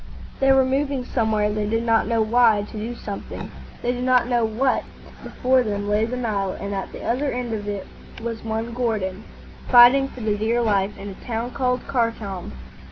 They were moving somewhere, they did not know why, to do something, they did not know what. Before them lay the Nile, and at the other end of it was one Gordon, fighting for the dear life, in a town called Khartoum.